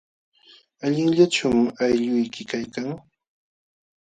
¿Allinllachum aylluyki kaykan?